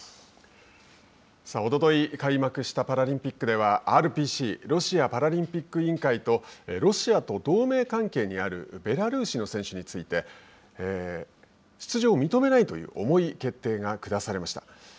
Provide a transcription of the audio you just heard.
おととい開幕したパラリンピックではＲＰＣ＝ロシアパラリンピック委員会とロシアと同盟関係にあるベラルーシの選手について出場を認めないという重い決定が下されました。